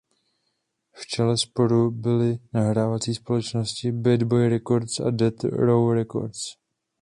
V čele sporu byly nahrávací společnosti Bad Boy Records a Death Row Records.